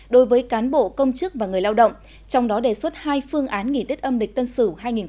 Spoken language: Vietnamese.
đối với cán bộ công chức và người lao động trong đó đề xuất hai phương án nghỉ tết âm lịch tân sửu hai nghìn hai mươi một